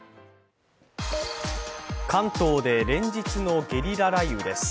関東で連日のゲリラ雷雨です。